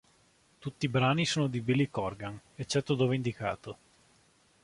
Tutti i brani sono di Billy Corgan, eccetto dove indicato.